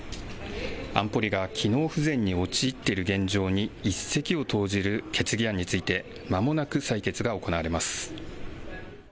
安保理が機能不全に陥っている現状に一石を投じる決議案についてまもなく採決が行われます。